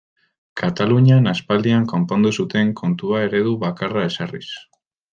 Katalunian aspaldian konpondu zuten kontua eredu bakarra ezarriz.